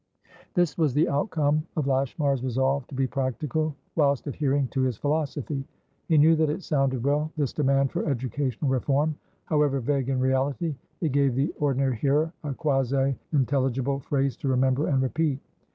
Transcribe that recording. This was the outcome of Lashmar's resolve to be practical, whilst adhering to his philosophy. He knew that it sounded well, this demand for educational reform; however vague in reality, it gave the ordinary hearer a quasi intelligible phrase to remember and repeat.